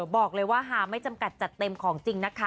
บอกเลยว่าฮาไม่จำกัดจัดเต็มของจริงนะคะ